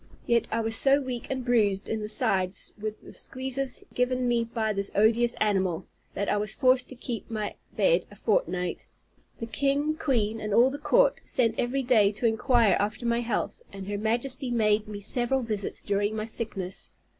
Yet I was so weak and bruised in the sides with the squeezes given me by this odious animal, that I was forced to keep my bed a fortnight. The king, queen, and all the court, sent every day to inquire after my health, and her Majesty made me several visits during my sickness.